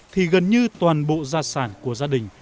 thì gần như toàn bộ gia sản của gia đình